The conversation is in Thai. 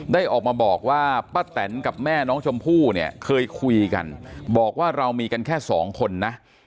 ได้ออกมาบอกว่าป้าแตนกับแม่น้องชมพู่เนี่ยเคยคุยกันบอกว่าเรามีกันแค่สองคนนะ